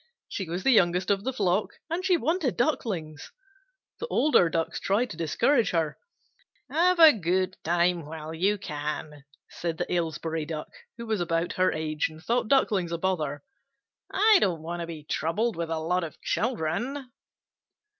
She was the youngest of the flock, and she wanted Ducklings. The older Ducks tried to discourage her. "Have a good time while you can," said the Aylesbury Duck, who was about her age, and thought Ducklings a bother. "I don't want to be troubled with a lot of children."